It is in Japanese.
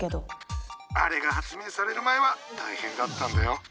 あれが発明される前は大変だったんだよ。